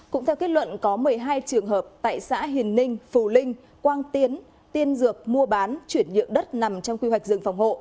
cũng theo kết luận có một mươi hai trường hợp tại xã hiền ninh phù linh quang tiến tiên dược mua bán chuyển nhượng đất nằm trong quy hoạch rừng phòng hộ